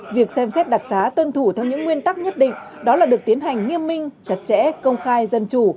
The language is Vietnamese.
việc xem xét đặc xá tuân thủ theo những nguyên tắc nhất định đó là được tiến hành nghiêm minh chặt chẽ công khai dân chủ